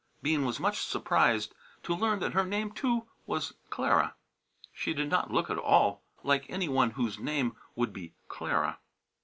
Bean was much surprised to learn that her name, too, was Clara. She did not look at all like any one whose name would be Clara.